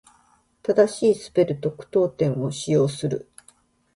正しいスペルと句読点を使用する。